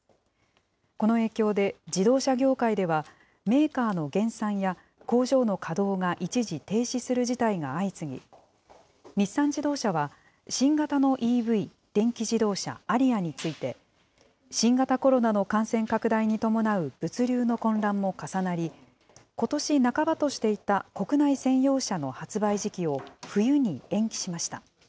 この影響で自動車業界では、メーカーの減産や工場の稼働が一時停止する事態が相次ぎ、日産自動車は、新型のＥＶ・電気自動車、アリアについて、新型コロナの感染拡大に伴う物流の混乱も重なり、ことし半ばとしていた国内専用車の発売時期を、冬に延期しました。